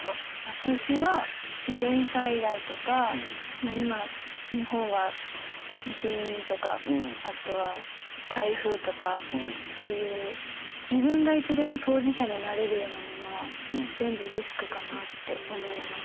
私は自然災害とか今日本は地震とかあとは台風とかそういう自分がいつでも当事者になれるようなものは全部リスクかなって思います。